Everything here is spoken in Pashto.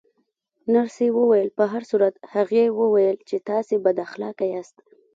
نرسې وویل: په هر صورت، هغې ویل چې تاسې بد اخلاقه یاست.